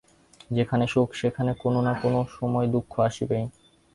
যেখানে সুখ, সেখানে কোন না কোন সময় দুঃখ আসিবেই।